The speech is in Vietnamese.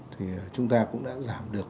thì chúng ta cũng đã giảm được